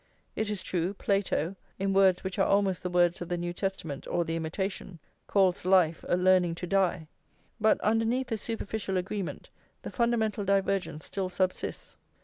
It is true, Plato, in words which are almost the words of the New Testament or the Imitation, calls life a learning to die. But underneath the superficial agreement the fundamental divergence still subsists.